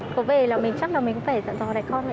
có vẻ là mình chắc là mình phải dọn dò đẹp con